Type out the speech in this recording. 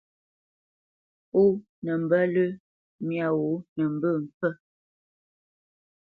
Pó nə mbə́ lə́ myâ wǒ nə mbə́ mpfə́.